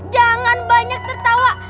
jangan banyak tertawa